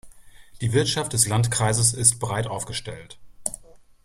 Die Wirtschaft des Landkreises ist breit aufgestellt.